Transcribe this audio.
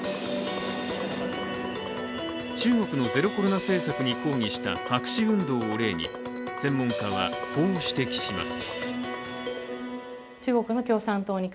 中国のゼロコロナ政策に抗議した白紙運動を例に、専門家はこう指摘します。